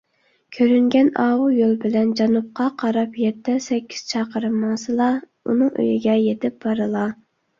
كۆرۈنگەن ئاۋۇ يول بىلەن جەنۇبقا قاراپ يەتتە - سەككىز چاقىرىم ماڭسىلا، ئۇنىڭ ئۆيىگە يېتىپ بارىلا.